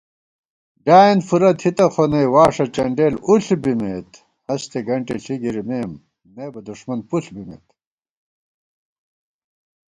ڈیایېن فُورہ تھِتہ خو نئ واݭہ چنڈیل اُݪ بِمېت * ہستےگنٹےݪی گِرِمېم نئبہ دُݭمن پُݪ بِمېت